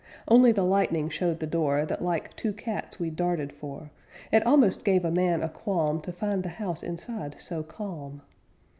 Only the lightning showed the door That like two cats we darted for; It almost gave a man a qualm To find the house inside so calm.